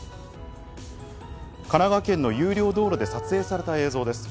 神奈川県の有料道路で撮影された映像です。